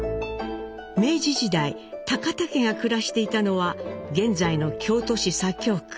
明治時代田家が暮らしていたのは現在の京都市左京区。